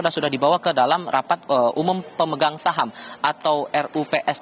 dan sudah dibawa ke dalam rapat umum pemegang saham atau rups